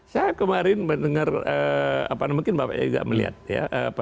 saya kemarin mendengar mungkin bapak juga melihat ya